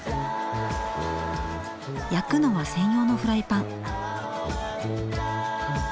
焼くのは専用のフライパン。